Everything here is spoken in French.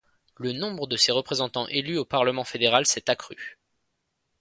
Le nombre de ses représentants élus au parlement fédéral s'est accru.